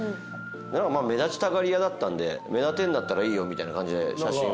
まあ目立ちたがり屋だったんで目立てるんだったらいいよみたいな感じで写真を。